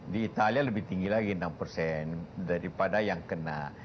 di italia lebih tinggi lagi enam persen daripada yang kena